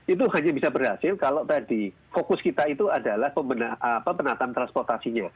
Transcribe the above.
itu hanya bisa berhasil kalau tadi fokus kita itu adalah penataan transportasinya